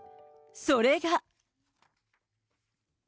それが。